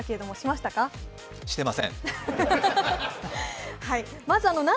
してません！